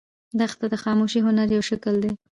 دښته د خاموش هنر یو شکل دی.